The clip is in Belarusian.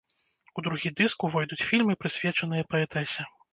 У другі дыск увойдуць фільмы, прысвечаныя паэтэсе.